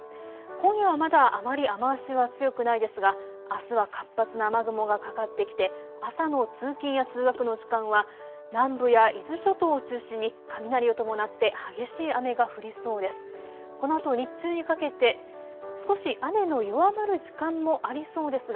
今夜はまだあまり雨足は強くないですが、あすは活発な雨雲がかかってきて朝の通勤や通学の時間は南部や伊豆諸島を中心に雷を伴って激しい雨が降りそうです。